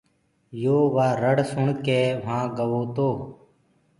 يو وآ رڙ سُڻڪي وهآنٚ گوو تو